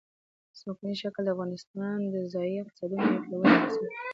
ځمکنی شکل د افغانستان د ځایي اقتصادونو یو پیاوړی بنسټ دی.